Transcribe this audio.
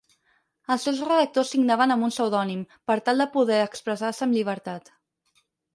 Els seus redactors signaven amb un pseudònim, per tal de poder expressar-se amb llibertat.